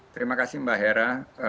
terima kasih mbak hera